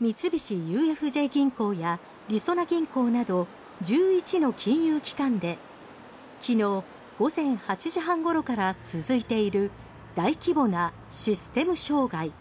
三菱ＵＦＪ銀行やりそな銀行など１１の金融機関で昨日午前８時半ごろから続いている大規模なシステム障害。